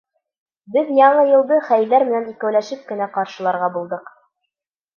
Беҙ Яңы йылды Хәйҙәр менән икәүләшеп кенә ҡаршыларға булдыҡ!